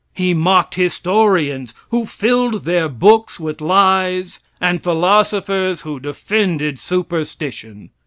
He mocked historians who filled their books with lies, and philosophers who defended superstition.